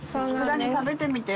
佃煮食べてみて。